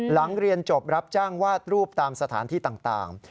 หลังเรียนจบรับจ้างวาดรูปตามสถานที่ต่าง